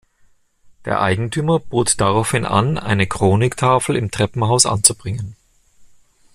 Der Eigentümer bot daraufhin an, eine Chronik-Tafel im Treppenhaus anzubringen.